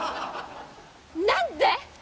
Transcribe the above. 何で！？